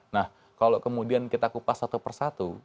nah kalau kemudian kita kupas satu persatu